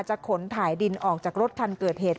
ขนถ่ายดินออกจากรถคันเกิดเหตุ